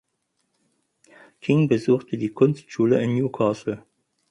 King besuchte die Kunstschule in Newcastle.